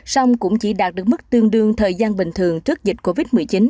song cũng chỉ đạt được mức tương đương thời gian bình thường trước dịch covid một mươi chín